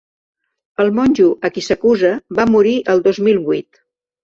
El monjo a qui s’acusa va morir el dos mil vuit.